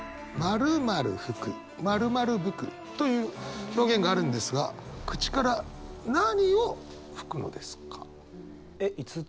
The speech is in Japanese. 「○○吹く」「○○吹く」という表現があるんですが口から何を吹くのですか？